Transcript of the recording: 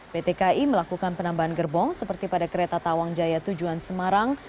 pt ki melakukan penambahan gerbong seperti pada kereta tawang jaya tujuan semarang